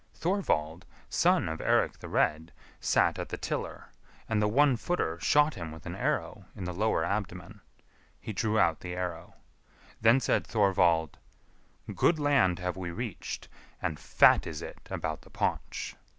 Thorvald, son of Eirik the Red, sat at the tiller, and the One footer shot him with an arrow in the lower abdomen. He drew out the arrow. Then said Thorvald, "Good land have we reached, and fat is it about the paunch."